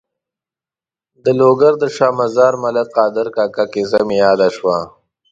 د لوګر د شا مزار ملک قادر کاکا کیسه مې یاده شوه.